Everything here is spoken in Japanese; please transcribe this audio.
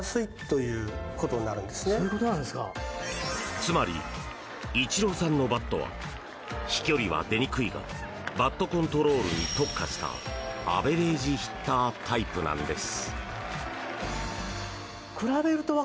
つまりイチローさんのバットは飛距離は出にくいがバットコントロールに特化したアベレージヒッタータイプなんです。